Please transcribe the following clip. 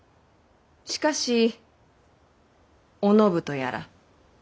しかしお信とやら。